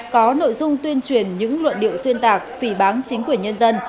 có nội dung tuyên truyền những luận điệu xuyên tạc phỉ bán chính quyền nhân dân